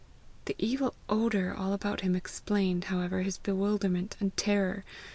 The evil odour all about him explained, however, his bewilderment and terror.